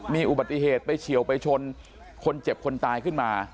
มีอุบัติเหตุไปเฉียวไปชนคนเจ็บคนตายขึ้นมา